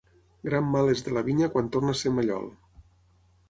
Gran mal és de la vinya quan torna a ser mallol.